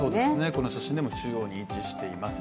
この写真でも中央に位置しています。